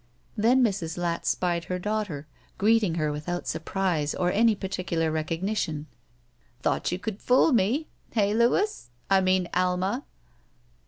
Then Mrs. Latz spied her daught^» greeting her without surprise or any particular recognition. ''Thought you could fool me! Heh, Louis? I mean Alma.